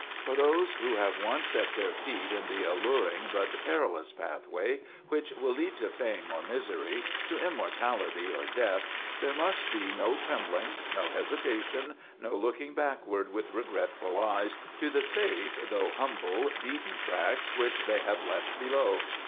For those who have once set their feet in the alluring but perilous pathway, which will lead to fame or misery, to immortality or death, there must be no trembling, no hesitation, no looking backward with regretful eyes to the safe, though humble, beaten tracks which they have left below.